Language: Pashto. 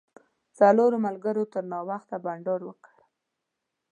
څلورو ملګرو تر ناوخته بانډار وکړ.